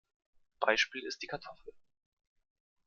Beispiel ist die Kartoffel.